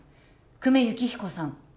久米幸彦さん